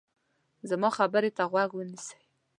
زما خبرې ته غوږ ونیسئ.